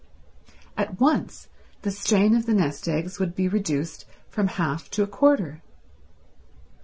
At once the strain of the nest eggs would be reduced from half to a quarter.